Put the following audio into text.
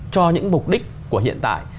cho những mục đích của hiện tại